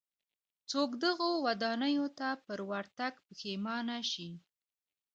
څوک دغو ودانیو ته پر ورتګ پښېمانه شي.